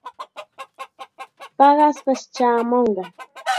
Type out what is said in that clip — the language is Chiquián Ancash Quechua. Paqaspash chaamunqa.